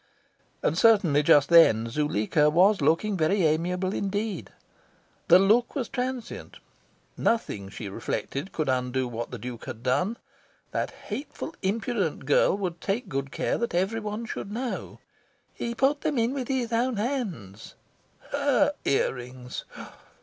And certainly, just then, Zuleika was looking very amiable indeed. The look was transient. Nothing, she reflected, could undo what the Duke had done. That hateful, impudent girl would take good care that every one should know. "He put them in with his own hands." HER ear rings!